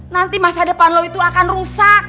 nanti masa depan lo itu akan rusak